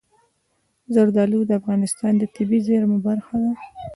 زردالو د افغانستان د طبیعي زیرمو برخه ده.